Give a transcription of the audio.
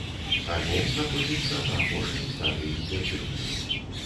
Альбом знаходзіцца на апошняй стадыі звядзення.